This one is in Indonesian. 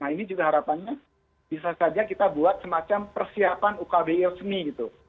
nah ini juga harapannya bisa saja kita buat semacam persiapan ukbi resmi gitu